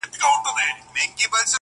o اوس به سخته سزا درکړمه و تاته,